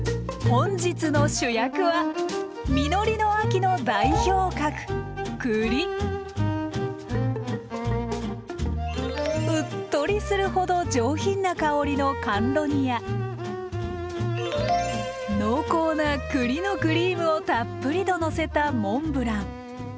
本日の主役は実りの秋の代表格うっとりするほど上品な香りの甘露煮や濃厚な栗のクリームをたっぷりとのせたモンブラン。